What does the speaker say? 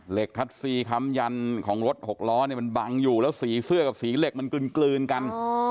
คัดซีคำยันของรถหกล้อเนี่ยมันบังอยู่แล้วสีเสื้อกับสีเหล็กมันกลืนกัน